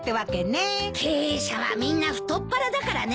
経営者はみんな太っ腹だからね。